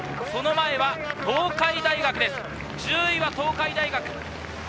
その前は東海大学、１０位は東海大学。